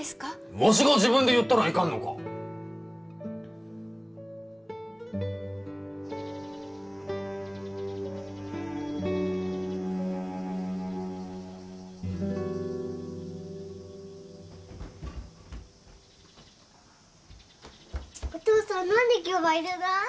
わしが自分で言ったらいかんのかお父さん何で今日はいるの？